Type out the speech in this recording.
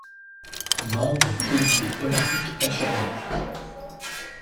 Membre du comité olympique algérien.